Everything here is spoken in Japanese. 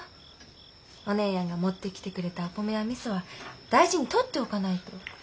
お姉やんが持ってきてくれたお米やみそは大事に取って置かないと。